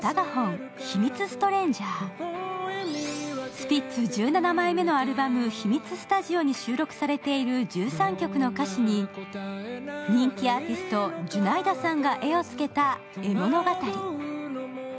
スピッツ１７枚目のアルバム「ひみつスタジオ」に収録されている１３曲の歌詞に人気アーティスト、ｊｕｎａｉｄａさんが絵をつけた、絵物語。